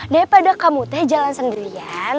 daripada kamu teh jalan sendirian